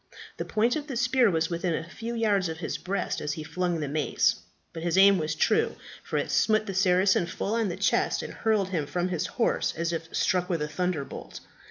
The point of the spear was within a few yards of his breast as he flung the mace; but his aim was true, for it smote the Saracen full on the chest, and hurled him from his horse as if struck with a thunderbolt.